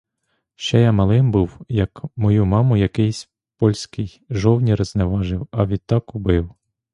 Ще я малим був, як мою маму якийсь польський жовнір зневажив, а відтак убив.